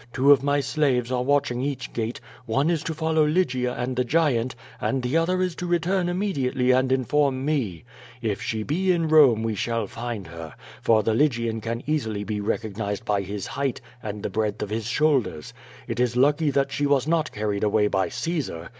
Two of my slaves are watching each gate, one is to follow Lygia and the giant and the other is to return immediately and inform me. If she be in Rome wc shall find her, for the Lygian can easily be recognized by his height and the breadth of his shoulders. It is lucky that she was not carried away by Caesar.